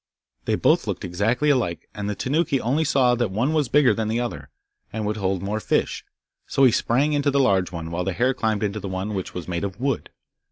They both looked exactly alike, and the Tanuki only saw that one was bigger than the other, and would hold more fish, so he sprang into the large one, while the hare climbed into the one which was made of wood.